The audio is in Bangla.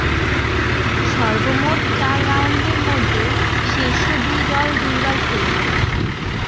সর্বমোট চার রাউন্ডের মধ্যে শীর্ষ দুই দল দুইবার খেলবে।